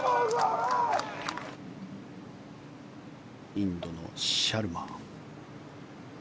インドのシャルマ。